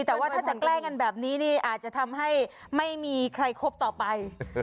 แต่ว่าถ้าจะแกล้งกันแบบนี้นี่อาจจะทำให้ไม่มีใครคบต่อไป